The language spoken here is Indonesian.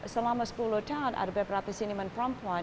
selama sepuluh tahun ada beberapa seniman perempuan